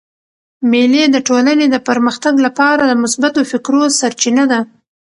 مېلې د ټولني د پرمختګ له پاره د مثبتو فکرو سرچینه ده.